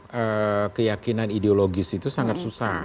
jadi itu keyakinan ideologis itu sangat susah